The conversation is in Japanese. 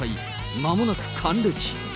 まもなく還暦。